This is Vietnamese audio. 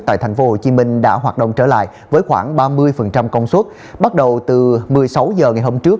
tại tp hcm đã hoạt động trở lại với khoảng ba mươi công suất bắt đầu từ một mươi sáu h ngày hôm trước